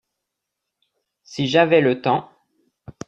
si j'avais le temps.